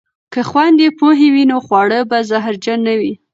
که خویندې پوهې وي نو خواړه به زهرجن نه وي.